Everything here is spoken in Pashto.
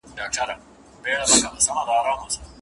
اوس چي ګوله په بسم الله پورته كـــــــړم